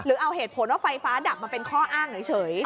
เอาเหตุผลว่าไฟฟ้าดับมาเป็นข้ออ้างเฉย